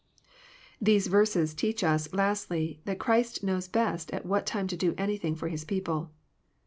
These verses teach us, lastly, that Christ knows best at wlvat time to do anything for His people.